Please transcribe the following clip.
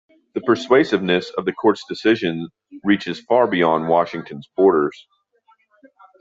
The persuasiveness of the Court's decisions reaches far beyond Washington's borders.